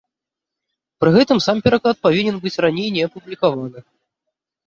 Пры гэтым сам пераклад павінен быць раней не апублікаваны.